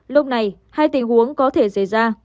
lúc này hai tình huống có thể xảy ra